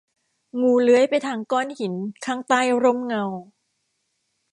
งูเลื้อยไปทางก้อนหินข้างใต้ร่มเงา